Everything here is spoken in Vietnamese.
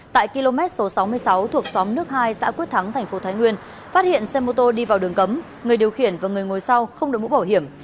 tại km số sáu mươi sáu thuộc xóm nước hai xã quyết thắng thành phố thái nguyên phát hiện xe mô tô đi vào đường cấm người điều khiển và người ngồi sau không đổi mũ bảo hiểm